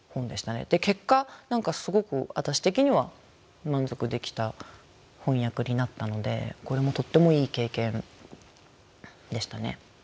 結果何かすごくわたし的には満足できた翻訳になったのでこれもとってもいい経験でしたね。